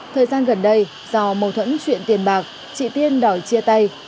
thời gian gần đây do mâu thuẫn chuyện tiền bạc chị tiên đòi chia tay